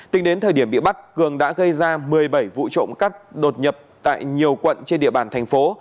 tính đến thời điểm bị bắt cường đã gây ra một mươi bảy vụ trộm cắp đột nhập tại nhiều quận trên địa bàn thành phố